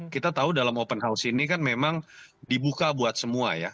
kita tahu dalam open house ini kan memang dibuka buat semua ya